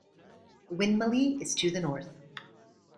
Winmalee is to the north.